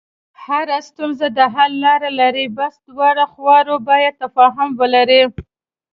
هره ستونزه د حل لاره لري، بس دواړه خواوې باید تفاهم ولري.